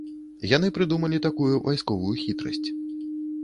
Яны прыдумалі такую вайсковую хітрасць.